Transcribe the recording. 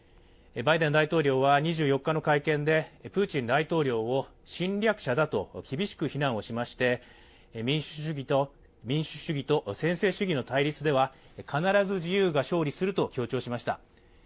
バイデン大統領は２４日の会見でプーチン大統領を侵略者だと厳しく非難をしまして民主主義と専制主義の対立では対立では必ず自由が勝利すると強調しました。